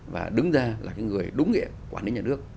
và đứng ra là cái người đúng nghĩa quản lý nhà nước